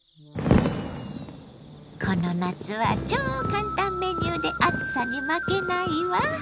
この夏は超簡単メニューで暑さに負けないわ。